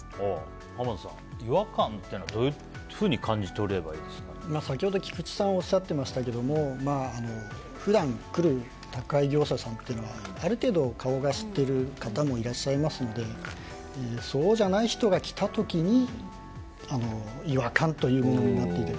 濱田さん、違和感っていうのはどういうふうに先ほど菊地さんがおっしゃってましたけど普段来る宅配業者さんというのはある程度、顔を知ってる方もいらっしゃいますのでそうじゃない人が来た時に違和感というものになるかと。